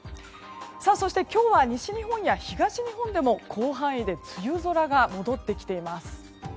そして今日は西日本や東日本でも広範囲で梅雨空が戻ってきています。